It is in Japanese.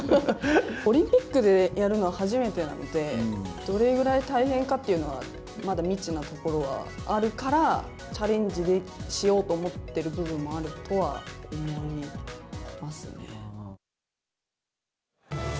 オリンピックでやるのは初めてなので、どれぐらい大変かっていうのはまだ未知なところはあるから、チャレンジしようと思ってる部分もあるとは思いますね。